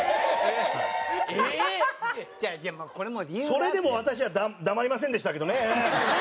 それでも私は黙りませんでしたけどね。